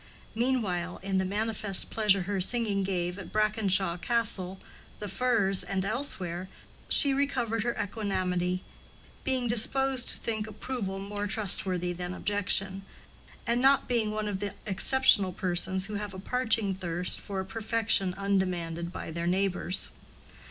Meanwhile, in the manifest pleasure her singing gave at Brackenshaw Castle, the Firs, and elsewhere, she recovered her equanimity, being disposed to think approval more trustworthy than objection, and not being one of the exceptional persons who have a parching thirst for a perfection undemanded by their neighbors.